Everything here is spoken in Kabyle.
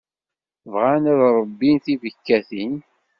Bɣan ad ṛebbin tibekkatin.